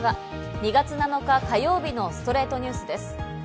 ２月７日、火曜日の『ストレイトニュース』です。